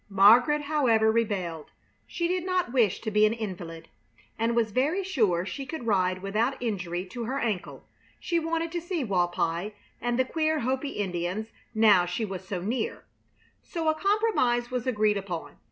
Margaret, however, rebelled. She did not wish to be an invalid, and was very sure she could ride without injury to her ankle. She wanted to see Walpi and the queer Hopi Indians, now she was so near. So a compromise was agreed upon.